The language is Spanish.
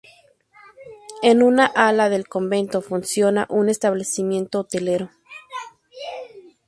En una ala del convento funciona un establecimiento hotelero.